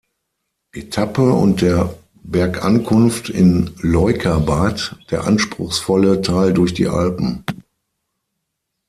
Etappe und der Bergankunft in Leukerbad der anspruchsvolle Teil durch die Alpen.